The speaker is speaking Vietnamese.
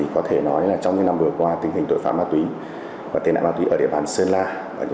có thể nói là trong những năm vừa qua tình hình tội phạm ma túy và tên nạn ma túy ở địa bàn sơn la